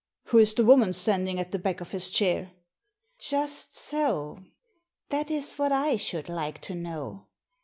Who is the woman stand ing at the back of his chair ?" "Just so— that is what I should like to know.